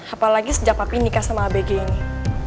apalagi sejak api nikah sama abg ini